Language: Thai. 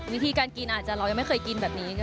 วิธีการกินอาจจะเรายังไม่เคยกินแบบนี้